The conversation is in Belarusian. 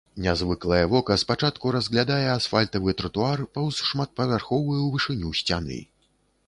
Нязвыклае вока спачатку разглядае асфальтавы тратуар паўз шматпавярховую вышыню сцяны.